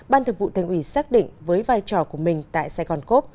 ban thực vụ thành ủy xác định với vai trò của mình tại sài gòn cốp